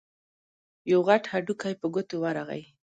يو غټ هډوکی په ګوتو ورغی.